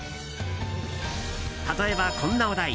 例えば、こんなお題。